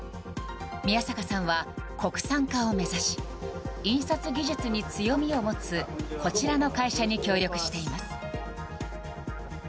宮坂さんは国産化を目指し印刷技術に強みを持つこちらの会社に協力しています。